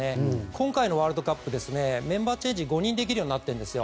今回のワールドカップはメンバーチェンジを５人できるようになってるんです。